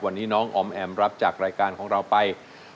วันนี้น้องออมแอมรับจากรายการของเราไป